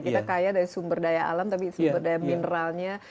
kita kaya dari sumber daya alam tapi sumber daya mineralnya